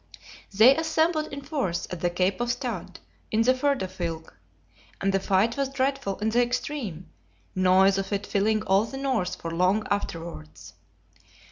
They assembled in force at the Cape of Stad, in the Firda Fylke; and the fight was dreadful in the extreme, noise of it filling all the north for long afterwards.